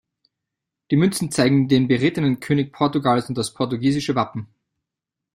Die Münzen zeigen den berittenen König Portugals und das portugiesische Wappen.